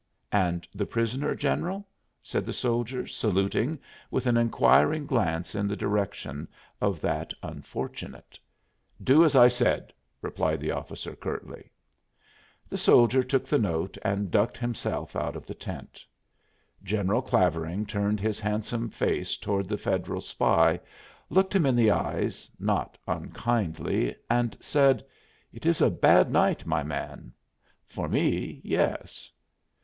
"And the prisoner, General?" said the soldier, saluting, with an inquiring glance in the direction of that unfortunate. "Do as I said," replied the officer, curtly. The soldier took the note and ducked himself out of the tent. General Clavering turned his handsome face toward the Federal spy, looked him in the eyes, not unkindly, and said: "It is a bad night, my man." "For me, yes."